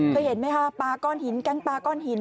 เคยเห็นไหมคะปลาก้อนหินแก๊งปลาก้อนหิน